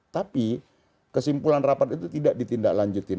tapi kesimpulan rapat itu tidak ditindaklanjutin